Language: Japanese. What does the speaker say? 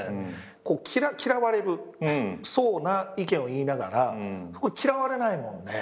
嫌われそうな意見を言いながら嫌われないもんね。